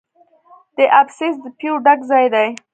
د ابسیس د پیو ډک ځای دی.